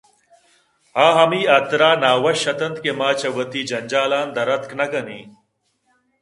آہمے حاترا نہ وش اِت اَنت کہ ما چہ وتی جنجالاں دراتک نہ کنیں